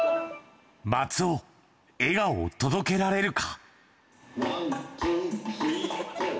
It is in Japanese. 松尾、笑顔を届けられるか。